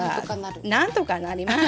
なんとかなります。